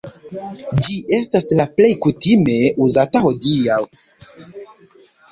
Ĝi estas la plej kutime uzata hodiaŭ.